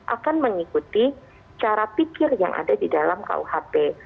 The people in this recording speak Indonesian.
akan mengikuti cara pikir yang ada di dalam kuhp